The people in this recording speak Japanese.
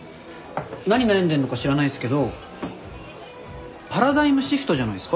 何悩んでんのか知らないっすけどパラダイムシフトじゃないっすか？